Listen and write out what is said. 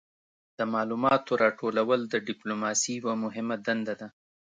د معلوماتو راټولول د ډیپلوماسي یوه مهمه دنده ده